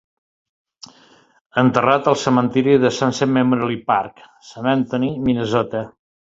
Enterrat al cementiri de Sunset Memorial Park, Saint Anthony, Minnesota.